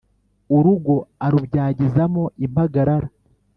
Urugo arubyagizamo impagarara